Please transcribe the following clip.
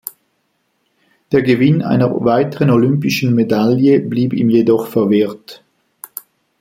Der Gewinn einer weiteren olympischen Medaille blieb ihm jedoch verwehrt.